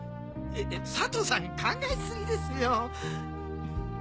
佐藤さん考え過ぎですよ。